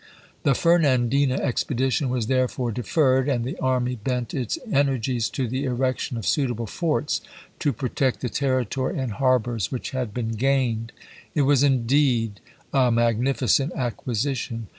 The Fernandina expedition was therefore de ferred, and the army bent its energies to the erec tion of suitable forts to protect the territory and harbors which had been gained. It was indeed a magnificent acquisition.